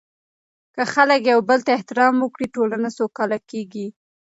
که خلک یو بل ته احترام ورکړي، ټولنه سوکاله کیږي.